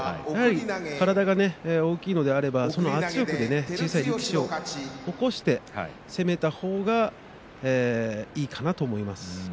体が大きいのであれば圧力で小さい力士を起こして攻めた方がいいかなと思います。